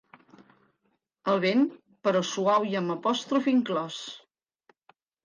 El vent, però suau i amb apòstrof inclòs.